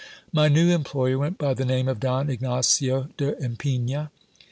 My new employer went by the name of Don Ignacio de Ipigna.